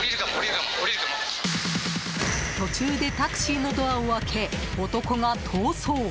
途中でタクシーのドアを開け男が逃走。